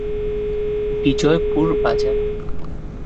বিজয়পুর বাজার